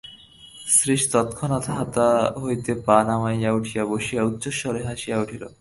শ্রীশ তৎক্ষণাৎ হাতা হইতে পা নামাইয়া উঠিয়া বসিয়া উচ্চৈঃস্বরে হাসিয়া উঠিল।